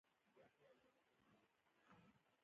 ژبه د پلار نصیحت هم دی